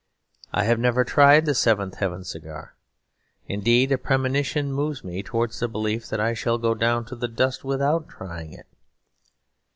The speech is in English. I have never tried the Seventh Heaven Cigar; indeed a premonition moves me towards the belief that I shall go down to the dust without trying it.